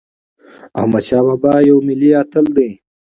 احمدشاه بابا یو ملي اتل دی.